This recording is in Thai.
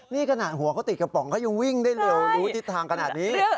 นี่ขนาดหัวเขาติดกระป๋องเขายังวิ่งได้เร็วรู้ทิศทางขนาดนี้